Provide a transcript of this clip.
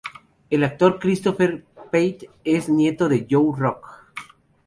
El actor Christopher Pate es nieto de Joe Rock.